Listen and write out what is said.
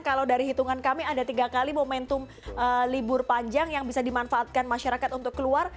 kalau dari hitungan kami ada tiga kali momentum libur panjang yang bisa dimanfaatkan masyarakat untuk keluar